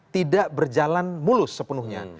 tidak berjalan mulus sepenuhnya